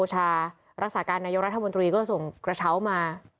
รักษาการนายกรัฐมนตรีก็ส่งกระเช้ามา